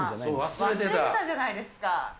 忘れてたじゃないですか。